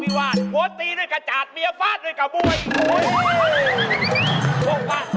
ผัวเป็นขี้กากเมียเอายาธา